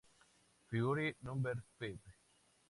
Figure Number Five